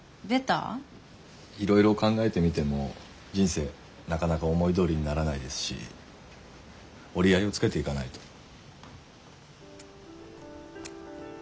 いろいろ考えてみても人生なかなか思いどおりにならないですし折り合いをつけていかないと。